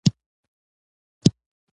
بیعت د مشر ټاکلو لار ده